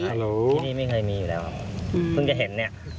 อันนี้ไม่เคยมีอยู่แล้วครับพึ่งจะเห็นนี่